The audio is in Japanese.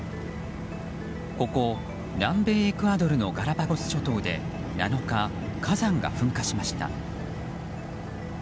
ここ南米エクアドルのガラパゴス諸島で、７日火山が噴火しました。